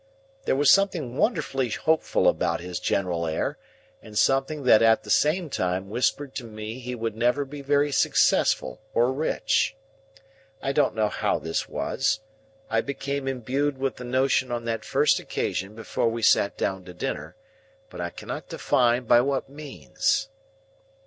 There was something wonderfully hopeful about his general air, and something that at the same time whispered to me he would never be very successful or rich. I don't know how this was. I became imbued with the notion on that first occasion before we sat down to dinner, but I cannot define by what means.